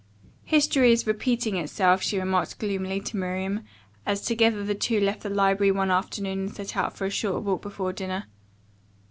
"History is repeating itself," she remarked gloomily to Miriam, as together the two left the library one afternoon and set out for a short walk before dinner.